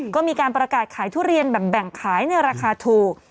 ก็มีการประกาศขายทุเรียนแบบแบ่งขายในราคาถูก